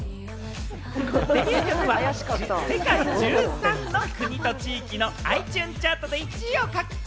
デビュー曲は世界１３の国と地域のｉＴｕｎｅチャートで１位を獲得。